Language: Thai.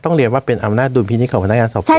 ต้องเรียนว่าเป็นอำนาจดุพิษภิกษ์ของพนักงานสอบสน